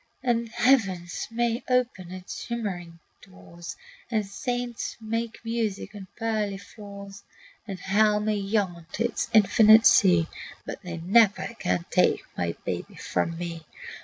And heaven may open its shimmering doors, And saints make music on pearly floors, And hell may yawn to its infinite sea, But they never can take my baby from me.